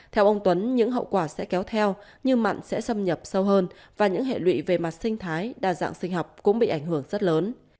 theo ông tuấn những hậu quả sẽ kéo theo như mặn sẽ xâm nhập sâu hơn và những hệ lụy về mặt sinh thái đa dạng sinh học cũng bị ảnh hưởng rất lớn